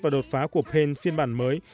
và đột phá của paint phiên bản mới